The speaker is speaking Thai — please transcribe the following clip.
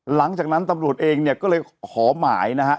หลังจากนั้นตำรวจเองเนี่ยก็เลยขอหมายนะฮะ